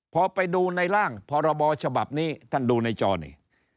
พอไปดูในร่างพรบฉบับนี้ท่านดูในจอนี่